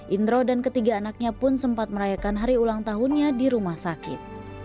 indro dan ketiga anaknya pun sempat merayakan hari ulang tahunnya di rumah sakit